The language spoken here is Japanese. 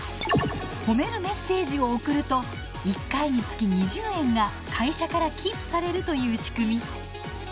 褒めるメッセージを送ると１回につき２０円が会社から寄付されるという仕組み。